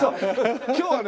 今日はね